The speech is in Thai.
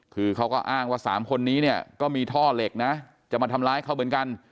คือเขาก็อ้างว่า๓คนนี้เนี่ยก็มีท่อเหล็กนะจะมาทำร้ายเขาเหมือนกัน